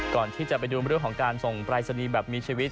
ก่อนที่จะไปดูเรื่องของการส่งปรายศนีย์แบบมีชีวิต